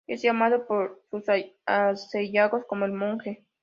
Es llamado por sus allegados como El monje.